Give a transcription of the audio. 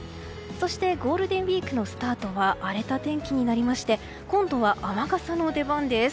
ゴールデンウィークのスタートは荒れた天気になりまして今度は雨傘の出番です。